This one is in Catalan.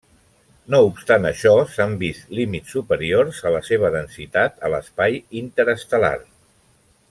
No obstant això s'han vist límits superiors a la seva densitat a l'espai interestel·lar.